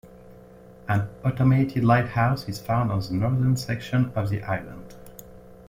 An automated lighthouse is found on the northern section of the island.